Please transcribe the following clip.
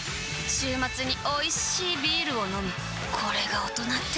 週末においしいビールを飲むあたまらんっ